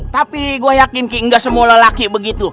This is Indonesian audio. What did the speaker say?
tapi gue yakin kiki gak semula laki begitu